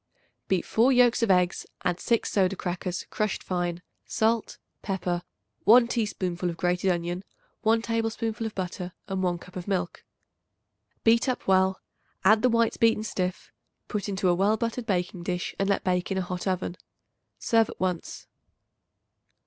Beat 4 yolks of eggs; add 6 soda crackers crushed fine, salt, pepper, 1 teaspoonful of grated onion, 1 tablespoonful of butter and 1 cup of milk. Beat up well; add the whites beaten stiff; put into a well buttered baking dish and let bake in a hot oven. Serve at once.